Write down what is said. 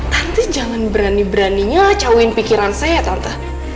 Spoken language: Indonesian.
tante jangan berani beraninya lah jauhin pikiran saya tante